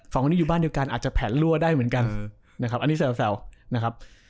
สองคนนี้อยู่บ้านเดียวกันอาจจะแผนรั่วได้เหมือนกันนะครับอันนี้แซวนะครับ